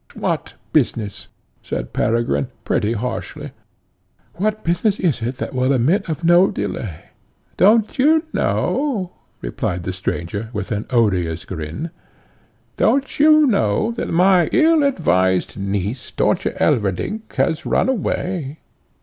"What business?" said Peregrine, pretty harshly; "what business is it that will admit of no delay?" "Don't you know," replied the stranger with an odious grin, "don't you know that my ill advised niece, Dörtje Elverdink, has run away?